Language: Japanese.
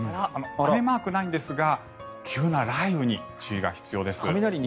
雨マークはないんですが急な雷雨に注意が必要です。